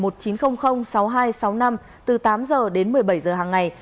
từ tám h đến một mươi bảy h hàng ngày